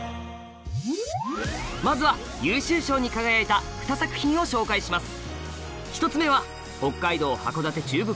まずは優秀賞に輝いた２作品を紹介します！